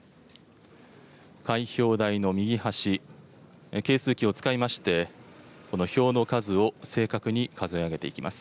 開票台の右端、計数機を使いまして、この票の数を正確に数え上げていきます。